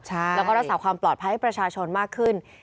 แล้วก็รักษาความปลอดภัยให้ประชาชนมากขึ้น